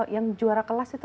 yang juara kelas itu